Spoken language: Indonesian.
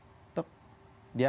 dia akan muncul di sini